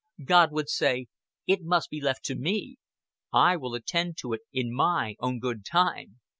God would say: "It must be left to Me. I will attend to it in My own good time.